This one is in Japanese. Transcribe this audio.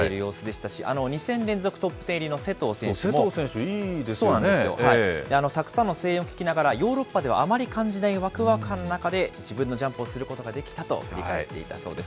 たくさんの声援を受けながら、ヨーロッパではあまり感じないわくわく感の中で自分のジャンプをすることができたと振り返っていたそうです。